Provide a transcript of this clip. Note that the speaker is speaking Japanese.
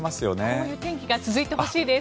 こういう天気が続いてほしいです。